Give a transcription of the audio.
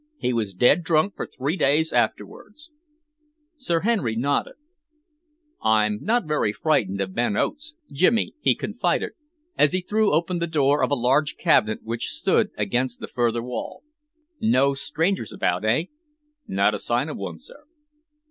He was dead drunk for three days afterwards." Sir Henry nodded. "I'm not very frightened of Ben Oates, Jimmy," he confided, as he threw open the door of a large cabinet which stood against the further wall. "No strangers about, eh?" "Not a sign of one, sir."